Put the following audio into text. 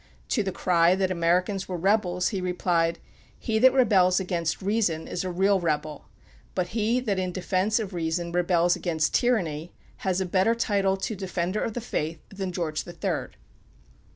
'" To the cry that Americans were rebels, he replied: "He that rebels against reason is a real rebel; but he that in defence of reason rebels against tyranny has a better title to 'Defender of the Faith' than George the Third."